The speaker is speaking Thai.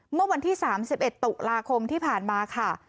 เมื่อวันที่๓๑ตุลาคมที่ผ่านมาค่ะ